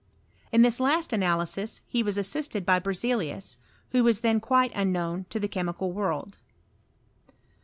io this last anstlysb h« was assisted by Beirebns, who was then quite un known to the chemical worid.